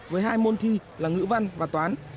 với hai môn thi là ngữ văn và toán